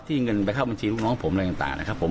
เงินไปเข้าบัญชีลูกน้องผมอะไรต่างนะครับผม